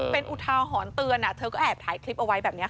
เป็นอุทาหรณ์เตือนเธอก็แอบถ่ายคลิปเอาไว้แบบนี้ค่ะ